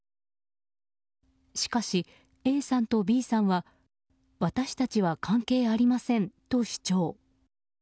しかし、ＡさんとＢさんは私たちは関係ありませんと主張。